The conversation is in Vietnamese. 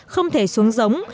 không thể xuống giống